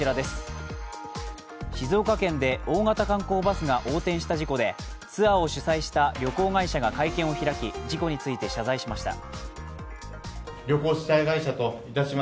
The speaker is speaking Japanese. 静岡県で大型観光バスが横転した事故でツアーを主催した旅行会社が会見を開き、事故について謝罪しました。